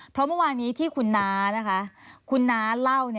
เพราะเมื่อวานี้ที่คุณน้านะคะคุณน้าเล่า